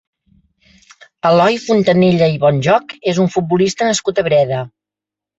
Eloi Fontanella i Bonjoch és un futbolista nascut a Breda.